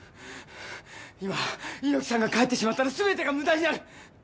今、猪木さんが帰ってしまったら、全てが無駄になる。